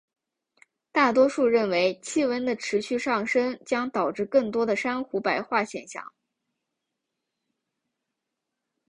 大多数人都认为气温的持续上升将导致更多的珊瑚白化现象。